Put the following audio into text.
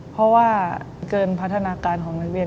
เพราะว่าเกินพัฒนาการของนักเรียน